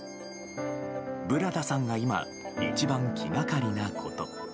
ブラダさんが今、一番気がかりなこと。